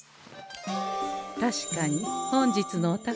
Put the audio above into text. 確かに本日のお宝